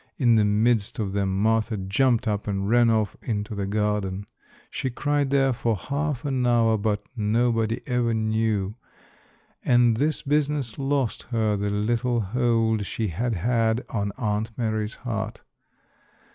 In the midst of them Martha jumped up and ran off into the garden. She cried there for half an hour, but nobody ever knew, and this business lost her the little hold she had had on Aunt Mary's heart.